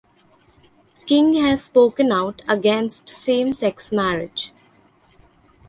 King has spoken out against same-sex marriage.